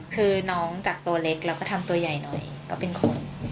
คือน้องกักตัวเล็กแล้วก็ทำตัวใหญ่หน่อยก็เป็นคน